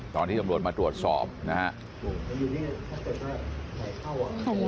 ตอนที่ตำรวจมาตรวจสอบนะฮะ